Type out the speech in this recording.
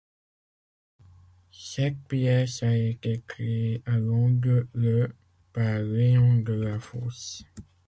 Cette pièce a été créée à Londres le par Léon Delafosse.